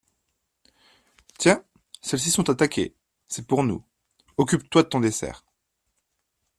Tiens, celles-ci sont attaquées, c’est pour nous ; occupe-toi de ton dessert.